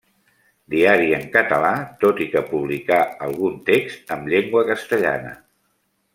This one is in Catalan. Diari en català, tot i que publicà algun text amb llengua castellana.